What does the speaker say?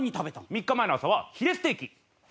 ３日前の朝はヒレステーキ。